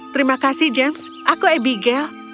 terima kasih james aku abigail